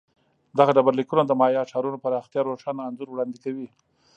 دغه ډبرلیکونه د مایا ښارونو پراختیا روښانه انځور وړاندې کوي